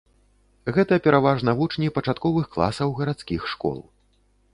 Гэта пераважна вучні пачатковых класаў гарадскіх школ.